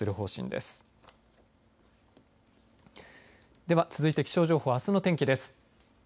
では、続いて気象情報あすの天気です。